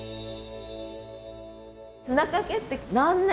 砂かけって何年？